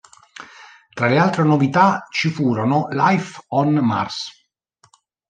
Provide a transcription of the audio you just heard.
Tra le altre novità ci furono "Life on Mars?